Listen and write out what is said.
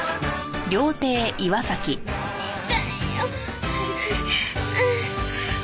痛いよ。